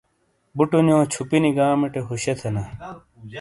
بوٹونو چھوپینی گامٹے ہوشے تھینا۔